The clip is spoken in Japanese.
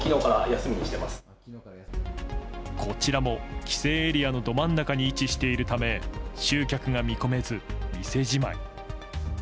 こちらも規制エリアのど真ん中に位置しているため集客が見込めず、店じまい。